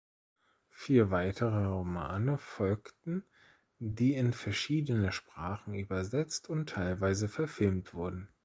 Vier weitere Romane folgten, die in verschiedene Sprachen übersetzt und teilweise verfilmt wurden.